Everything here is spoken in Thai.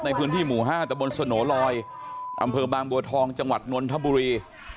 ในพื้นที่หมู่๕ตะบนสโนลอยอำเภอบางบัวทองจังหวัดนนทบุรี